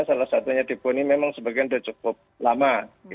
salah satunya depo ini memang sebagian sudah cukup lama